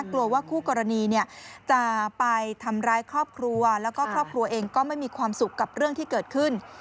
กลัวว่าคู่กรณีจะไปทำร้ายครอบครัวแล้วก็ครอบครัวเองก็ไม่มีความสุขกับเรื่องที่เกิดขึ้น